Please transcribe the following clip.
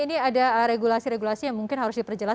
ini ada regulasi regulasi yang mungkin harus diperjelas